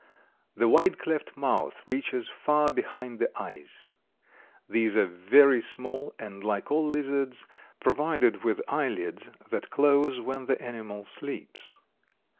The wide cleft mouth reaches far behind the eyes. These are very small and, like all lizards, provided with eye lids that close when the animal sleeps.